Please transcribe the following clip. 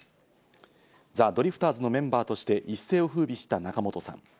ザ・ドリフターズのメンバーとして一世を風靡した仲本さん。